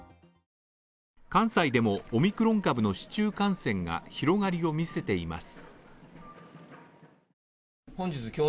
関西でもオミクロン株の市中感染が広がりを見せています。